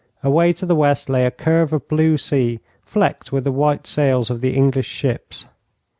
Away to the west lay a curve of blue sea flecked with the white sails of the English ships.